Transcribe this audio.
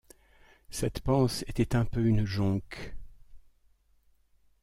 Cette panse était un peu une jonque.